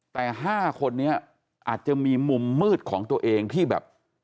แต่๕คนนี้อาจจะมีมุมมืดของตัวเองที่แบบ